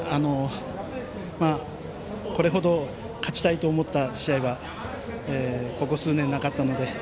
これほど勝ちたいと思った試合はここ数年、なかったので。